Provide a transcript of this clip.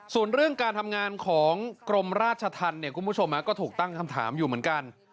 ส่วนเรื่องการทำงานของกรมราชธรรมเนี่ยคุณผู้ชมก็ถูกตั้งคำถามอยู่เหมือนกัน